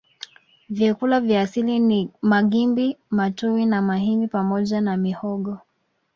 Vyakula vya asili ni magimbi matuwi na mahimbi pamoja na mihogo